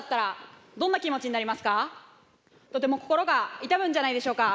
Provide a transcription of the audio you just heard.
とても心が痛むんじゃないでしょうか。